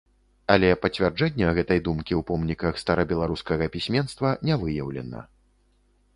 Але пацвярджэння гэтай думкі ў помніках старабеларускага пісьменства не выяўлена.